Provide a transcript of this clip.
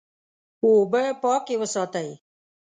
اوبه پاکې وساتئ.